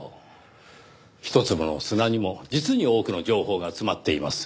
一粒の砂にも実に多くの情報が詰まっています。